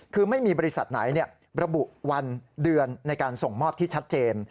คือไม่มีบริษัทไหนระบุวันเดือนในการส่งมอบที่ชัดเจน